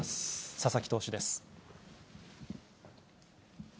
佐々木投手です。